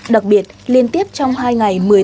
đặc biệt liên tiếp trong hai ngày